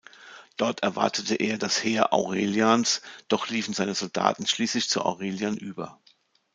Dort erwartete er das Heer Aurelians, doch liefen seine Soldaten schließlich zu Aurelian über.